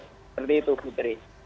seperti itu putri